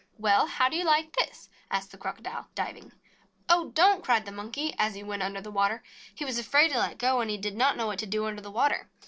Well, how do you like this?" asked the Crocodile, diving. "Oh, don't!" cried the Monkey, as he went under the water. He was afraid to let go, and he did not know what to do under the water.